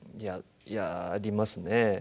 いややりますね。